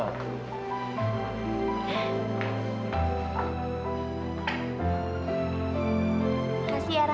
terima kasih ya raka